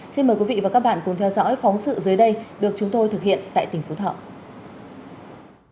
xin mời quý vị và các bạn cùng theo dõi phóng sự dưới đây được chúng tôi thực hiện tại tỉnh phú thọ